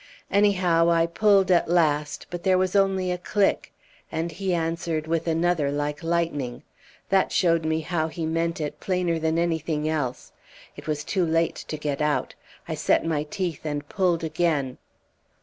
Anyhow I pulled at last, but there was only a click, and he answered with another like lightning. That showed me how he meant it, plainer than anything else. It was too late to get out. I set my teeth and pulled again